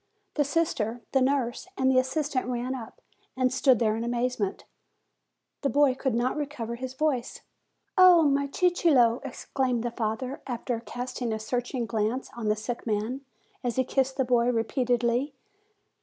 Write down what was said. The sister, the nurse, and the assistant ran up, and stood there in amazement. The boy could not recover his voice. "Oh, my Cicillo!" exclaimed the father, after cast ing a searching glance on the sick man, as he kissed the boy repeatedly.